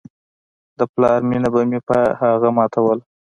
د پلار مينه به مې په هغه ماتوله.